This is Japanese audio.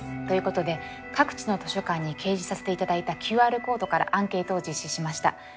ということで各地の図書館に掲示させて頂いたＱＲコードからアンケートを実施しました。